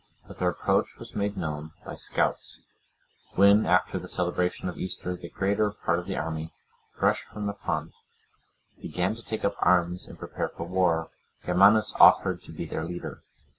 But their approach was made known by scouts. When, after the celebration of Easter, the greater part of the army, fresh from the font, began to take up arms and prepare for war, Germanus offered to be their leader.